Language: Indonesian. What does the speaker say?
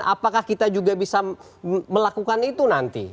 apakah kita juga bisa melakukan itu nanti